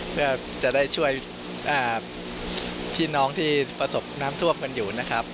เพื่อจะได้ช่วยพี่น้องที่ประสบน้ำท่วมกันอยู่นะครับ